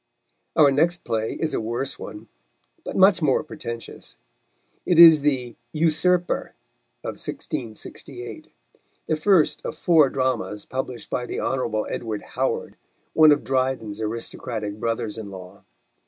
Our next play is a worse one, but much more pretentious. It is the Usurper, of 1668, the first of four dramas published by the Hon. Edward Howard, one of Dryden's aristocratic brothers in law.